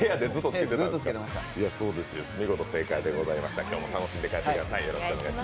見事正解でございました、今日も楽しんで帰ってください。